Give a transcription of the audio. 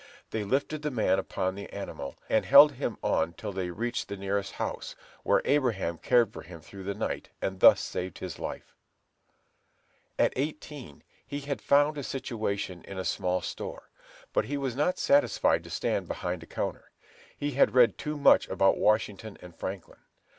They lifted the man upon the animal, and held him on till they reached the nearest house, where Abraham cared for him through the night, and thus saved his life. At eighteen he had found a situation in a small store, but he was not satisfied to stand behind a counter; he had read too much about Washington and Franklin.